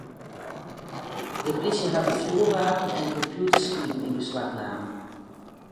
De plysje hat in fjoerwapen en kompjûterskiven yn beslach naam.